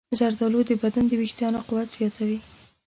زردالو د بدن د ویښتانو قوت زیاتوي.